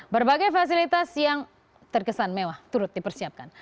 berbagai fasilitas yang terkesan mewah turut dipersiapkan